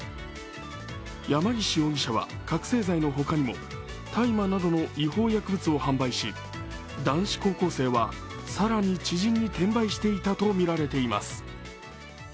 山岸容疑者は覚醒剤の他にも大麻などの違法薬物を販売し、男子高校生は更に知人に転売していたとみられています。